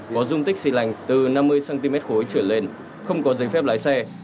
có dung tích xì lành từ năm mươi cm khối trở lên không có giấy phép lái xe